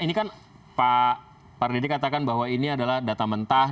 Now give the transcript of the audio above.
ini kan pak pardedik katakan bahwa ini adalah data mentah